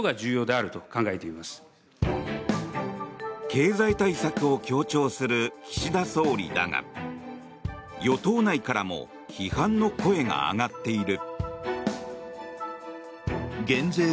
経済対策を強調する岸田総理だが与党内からも批判の声が上がっている。